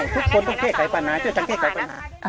ทุกคนต้องเก้ไขปัญหาทุกคนต้องเก้ไขปัญหา